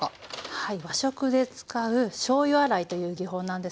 はい。